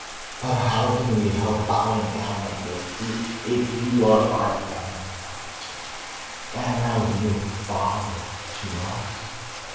But how can we help bowing down at your feet if you are our benefactor, and a real father to us?